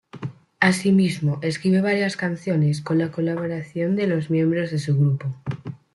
Asimismo, escribe varias canciones con la colaboración de los miembros de su grupo.